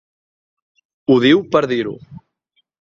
Ho diu per dir-ho.